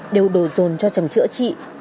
đều đồ dồn cho chồng chữa chị